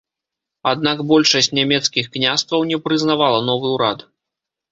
Аднак большасць нямецкіх княстваў не прызнавала новы ўрад.